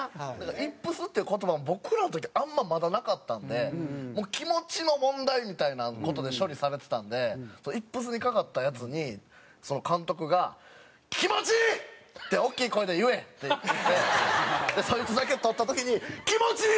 「イップス」っていう言葉も僕らの時あんままだなかったんで気持ちの問題みたいな事で処理されてたんでイップスにかかったヤツに監督が「“気持ち！”って大きい声で言え」って言ってでそいつだけ捕った時に「気持ち！」って言って。